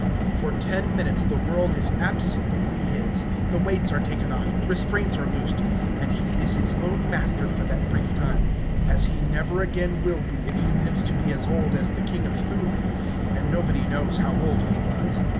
For ten minutes the world is absolutely his; the weights are taken off, restraints are loosed, and he is his own master for that brief time, as he never again will be if he lives to be as old as the king of Thule, and nobody knows how old he was.